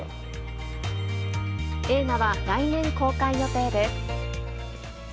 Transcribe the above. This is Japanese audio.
映画は、来年公開予定です。